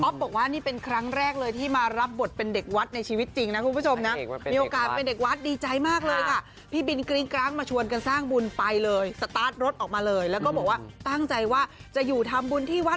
อ๊อฟบอกว่านี่เป็นครั้งแรกเลยที่มารับบทเป็นเด็กวัดในชีวิตจริงนะคุณผู้ชมนะ